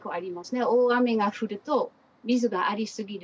大雨が降ると水がありすぎる。